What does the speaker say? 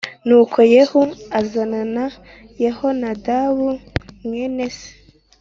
Nuko Yehu Azana Na Yehonadabu Mwene se